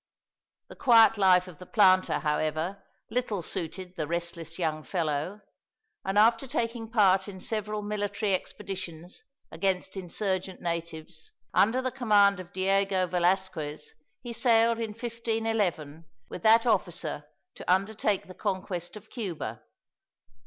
The quiet life of the planter, however, little suited the restless young fellow; and after taking part in several military expeditions against insurgent natives, under the command of Diego Velasquez, he sailed in 1511, with that officer, to undertake the conquest of Cuba.